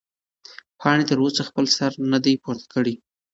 پاڼې تر اوسه خپل سر نه دی پورته کړی.